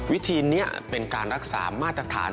วิธีนี้เป็นการรักษามาตรฐาน